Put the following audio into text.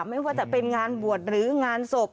ไม่ว่าจะเป็นงานบวชหรืองานศพ